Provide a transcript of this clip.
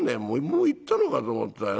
もう行ったのかと思った。